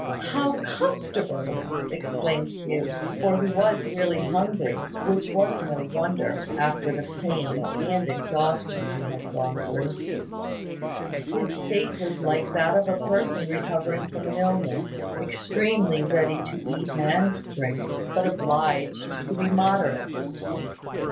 "How comfortable!" exclaimed Hugh; for he was really hungry; which was no wonder, after the pain and exhaustion he had gone through. His state was like that of a person recovering from an illness extremely ready to eat and drink, but obliged to be moderate.